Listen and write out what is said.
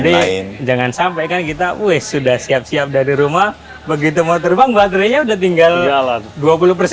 jadi jangan sampai kan kita sudah siap siap dari rumah begitu mau terbang baterainya sudah tinggal dua puluh semua